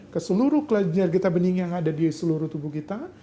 keseluruh kelenjar getah bening yang ada di seluruh tubuh kita